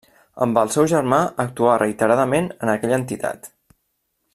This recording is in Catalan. Amb el seu germà actuà reiteradament en aquella entitat.